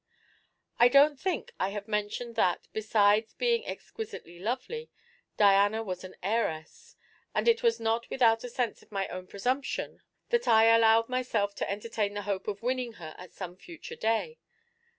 I don't think I have mentioned that, besides being exquisitely lovely, Diana was an heiress, and it was not without a sense of my own presumption that I allowed myself to entertain the hope of winning her at some future day.